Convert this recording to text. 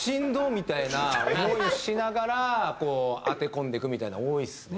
みたいな思いをしながら当て込んでいくみたいなの多いですね。